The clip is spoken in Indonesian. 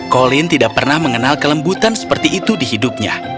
colin tidak pernah mengenal kelembutan seperti itu di hidupnya